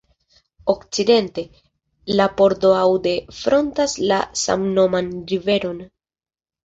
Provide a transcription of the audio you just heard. Okcidente, la pordo Aude frontas la samnoman riveron.